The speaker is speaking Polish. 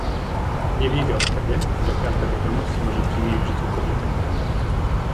"Nie wiedział wtedy, że każda wiadomość może przynieść w życiu pożytek."